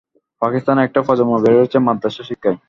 পাকিস্তানের একটা প্রজন্ম বেড়ে উঠেছে মাদ্রাসা শিক্ষায়।